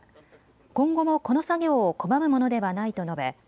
今後もこの作業を拒むものではないと述べ